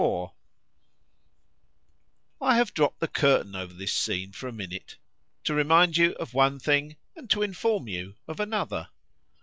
XLIV I HAVE dropped the curtain over this scene for a minute,——to remind you of one thing,——and to inform you of another.